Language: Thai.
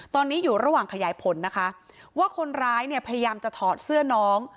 ตอนนี้อยู่ระหว่างขยายผลนะคะว่าคนร้ายเนี่ยพยายามจะถอดเสื้อน้อง